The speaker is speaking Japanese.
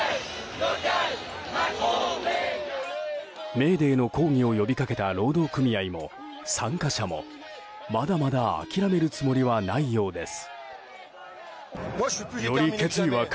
メーデーの抗議を呼びかけた労働組合も参加者もまだまだ諦めるつもりはないようです。